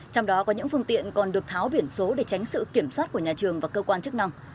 trong đó có những phương tiện còn được tháo biển số để tránh sự kiểm soát của nhà trường và cơ quan chức năng